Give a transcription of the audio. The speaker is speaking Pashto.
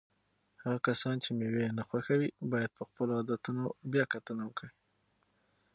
هغه کسان چې مېوې نه خوښوي باید په خپلو عادتونو بیا کتنه وکړي.